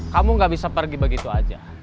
kamu nggak bisa pergi begitu saja